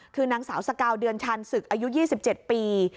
คือนางสาวสกาวเดือนชาญศึกอายุ๒๗ปี